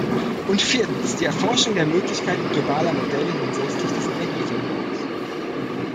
Und viertens, die Erforschung der Möglichkeiten globaler Modelle hinsichtlich des Energieverbrauchs.